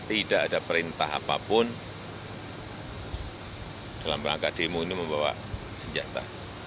tidak ada perintah apapun dalam rangka demo ini membawa senjata